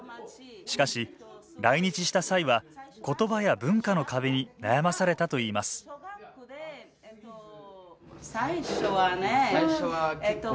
しかし来日した際は言葉や文化の壁に悩まされたといいます最初はねえっと